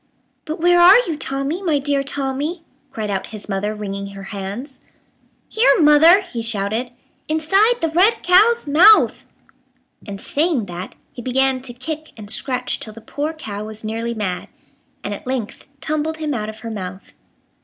"But where are you, Tommy, my dear Tommy?" cried out his mother, wringing her hands. "Here, mother," he shouted, "inside the red cow's mouth!" And, saying that, he began to kick and scratch till the poor cow was nearly mad, and at length tumbled him out of her mouth.